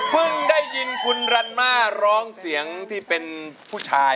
ได้ยินคุณรันม่าร้องเสียงที่เป็นผู้ชาย